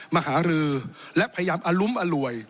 มหารือและพยายามอลุ้มอร่วย